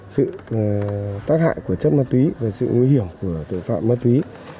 sự tác hại của chất ma túy và sự nguy hiểm của tội phạm ma túy